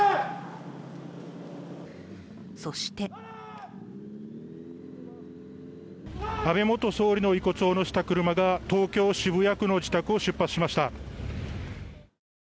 そして安倍元総理の遺骨をのせた車が東京・渋谷区の自宅を出発しました。